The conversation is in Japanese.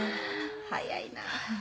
早いな